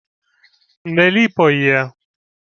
— Не ліпо є...